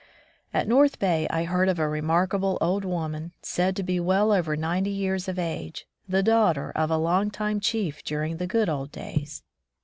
At North Bay I heard of a remarkable old woman, said to be well over ninety years of age, the daughter of a long time chief during the good old days.